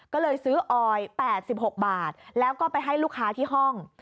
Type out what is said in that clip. ก็เลยซื้อออย๘๖บาทแล้วก็ไปให้ลูกค้าที่ห้อง